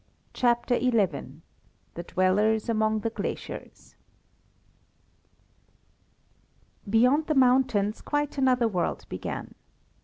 CHAPTER XI THE DWELLERS AMONG THE GLACIERS Beyond the mountains quite another world began.